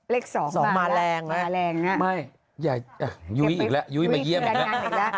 เลข๒มาแล้งน่ะไม่ยุวิอีกแล้วยุวิมาเยี่ยมอีกแล้ว